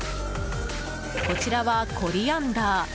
こちらはコリアンダー。